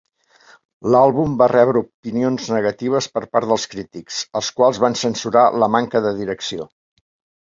L'àlbum va rebre opinions negatives per part dels crítics, els quals van censurar la manca de direcció.